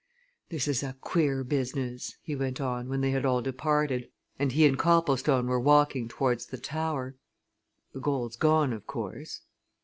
This is a queer business," he went on when they had all departed, and he and Copplestone were walking towards the tower. "The gold's gone, of course?"